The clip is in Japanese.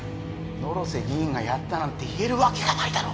野呂瀬議員がやったなんて言えるわけがないだろ。